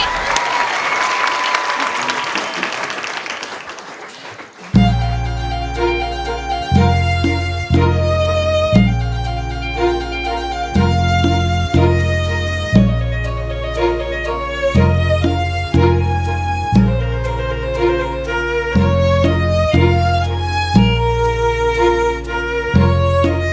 ขอบคุณครับ